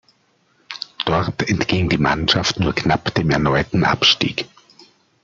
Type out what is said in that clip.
Dort entging die Mannschaft nur knapp dem erneuten Abstieg.